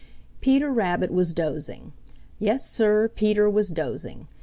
Peter Rabbit was dozing. Yes, sir, Peter was dozing.